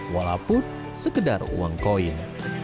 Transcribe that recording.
walaupun sekedar uang koin